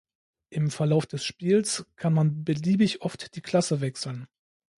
Im Verlauf des Spiels kann man beliebig oft die Klasse wechseln.